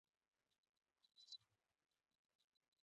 París y en la Sala Las Claras.